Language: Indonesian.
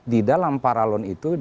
di dalam paralon itu